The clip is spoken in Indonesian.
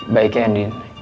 baik ya nin